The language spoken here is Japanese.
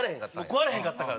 食われへんかったから。